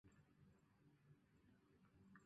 也是该领域教科书作者。